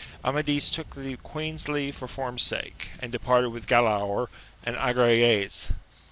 Amadis took the queen's leave for form's sake, and departed with Gralaor and Agrayes.